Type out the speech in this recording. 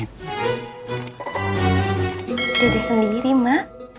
tedeh sendiri ma